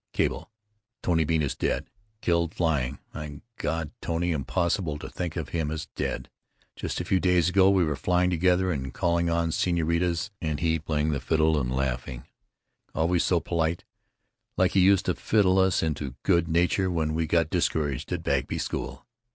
Cable. Tony Bean is dead. Killed flying. My god, Tony, impossible to think of him as dead, just a few days ago we were flying together and calling on senoritas and he playing the fiddle and laughing, always so polite, like he used to fiddle us into good nature when we got discouraged at Bagby's school.